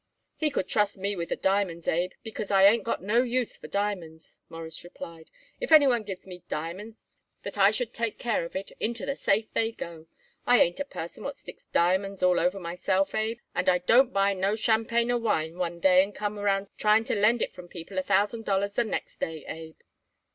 "He could trust me with the diamonds, Abe, because I ain't got no use for diamonds," Morris replied. "If anyone gives me diamonds that I should take care of it into the safe they go. I ain't a person what sticks diamonds all over myself, Abe, and I don't buy no tchampanyer wine one day and come around trying to lend it from people a thousand dollars the next day, Abe."